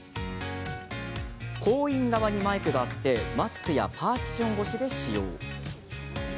行員側にマイクがありマスクやパーティション越しで使用。